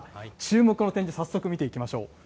注目の展示早速見ていきましょう。